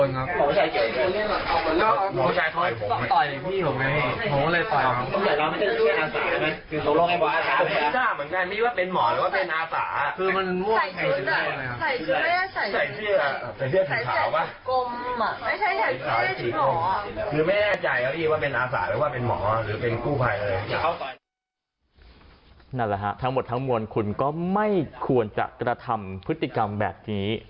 นั่นแหละฮะทั้งหมดทั้งมวลคุณก็ไม่ควรจะกระทำพฤติกรรมแบบนี้